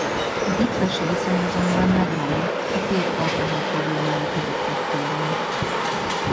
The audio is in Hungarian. A hitvesi viszony azonban megromlott a férj alkoholproblémái következtében.